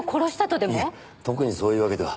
いえ特にそういうわけでは。